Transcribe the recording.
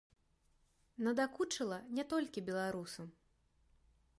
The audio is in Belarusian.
Надакучыла не толькі беларусам.